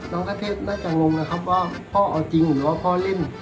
กระเทพน่าจะงงนะครับว่าพ่อเอาจริงหรือว่าพ่อเล่น